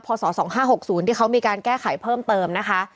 ศ๒๕๖๐ที่เขามีการแก้ไขเพิ่มเติมนะคะ